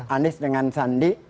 anies dengan sandi